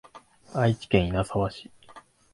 愛知県稲沢市